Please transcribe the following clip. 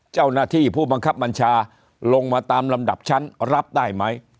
เจ้าหน้าที่ผู้บังคับบัญชาลงมาตามลำดับชั้นรับได้ไหม